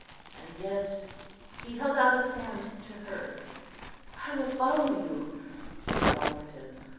"And yet " He held out his hands to her. "I will follow you," she promised him.